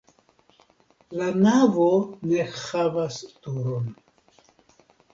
La navo ne havas turon.